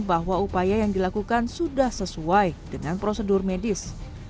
bahwa upaya yang dilakukan sudah sesuai dengan prosedur medis